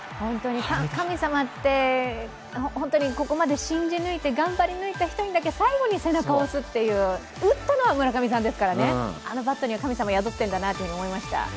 神様って、ここまで信じ抜いて頑張り抜いた人にだけ背中を押すという、打ったのは村上さんですからね、あのバットには神様が宿っているんだなと思いました。